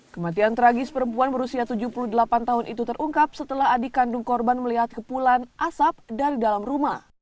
kematian tragis perempuan berusia tujuh puluh delapan tahun itu terungkap setelah adik kandung korban melihat kepulan asap dari dalam rumah